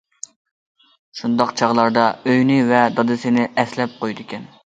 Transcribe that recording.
شۇنداق چاغلاردا ئۆيىنى ۋە دادىسىنى ئەسلەپ قويىدىكەن.